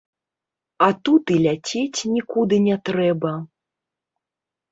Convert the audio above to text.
А тут і ляцець нікуды не трэба.